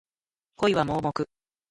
恋は盲目